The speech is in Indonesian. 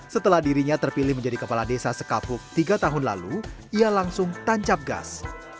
setelah dirinya terpilih menjadi kepala desa sekapuk tiga tahun lalu ia langsung tancap gas